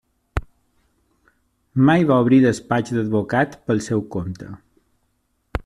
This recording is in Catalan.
Mai va obrir despatx d'advocat pel seu compte.